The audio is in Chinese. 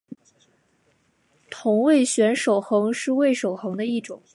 同位旋守恒是味守恒的一种。